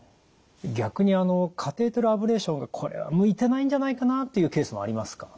逆にカテーテルアブレーションがこれは向いてないんじゃないかなというケースもありますか？